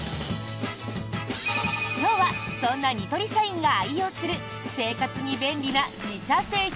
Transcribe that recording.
今日はそんなニトリ社員が愛用する生活に便利な自社製品